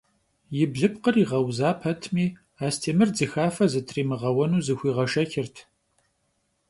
И блыпкъыр игъэуза пэтми, Астемыр дзыхафэ зытримыгъэуэну зыхуигъэшэчырт.